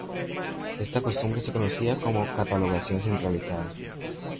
Esta costumbre se conocía como catalogación centralizada.